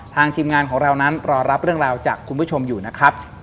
ทีมงานของเรานั้นรอรับเรื่องราวจากคุณผู้ชมอยู่นะครับ